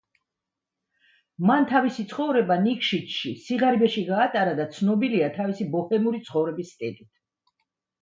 მან ტავისი ცხოვრება ნიკშიჩში, სიღარიბეში გაატარა და ცნობილია თავისი ბოჰემური ცხოვრების სტილით.